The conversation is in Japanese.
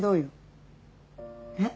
えっ？